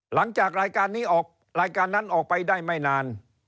หลังจากรายการนั้นออกไปได้ไม่นาน